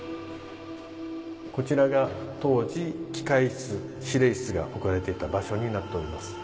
こちらが当時機械室司令室が置かれていた場所になっております。